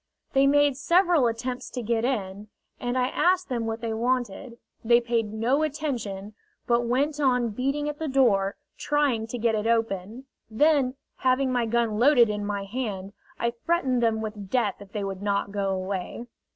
They made several attempts to get in, and I asked them what they wanted. They paid no attention, but went on beating at the door, trying to get it open. Then, having my gun loaded in my hand, I threatened them with death if they would not go away.